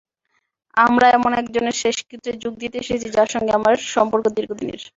আমরা এমন একজনের শেষকৃত্যে যোগ দিতে এসেছি, যাঁর সঙ্গে আমার সম্পর্ক দীর্ঘদিনের।